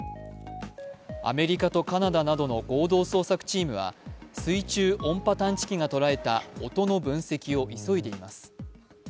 アメリカとカナダなどの合同捜索チームは水中音波探知機が捉えた音の分析を急いでいます。